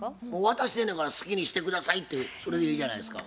渡してんねやから好きにして下さいっていうそれでいいじゃないですか。